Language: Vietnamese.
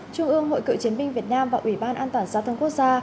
trung ương hội cựu chiến binh việt nam và ủy ban an toàn giao thông quốc gia